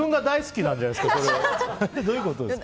どういうことですか？